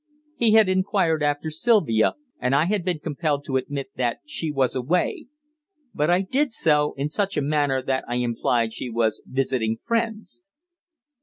He had inquired after Sylvia, and I had been compelled to admit that she was away. But I did so in such a manner that I implied she was visiting friends.